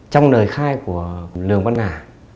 trong nời khai của lường văn hả